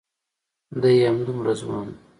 دای همدومره ځوان و.